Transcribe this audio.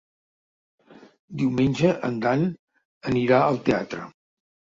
Diumenge en Dan anirà al teatre.